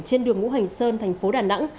trên đường ngũ hành sơn thành phố đà nẵng